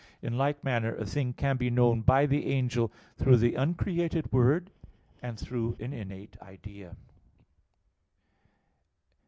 In like manner a thing can be known by the angel through the uncreated Word, and through an innate idea.